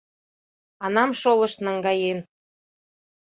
Анам шолышт наҥгаен.